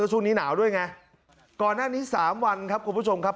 ช่วงนี้หนาวด้วยไงก่อนหน้านี้สามวันครับคุณผู้ชมครับ